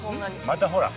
またほら。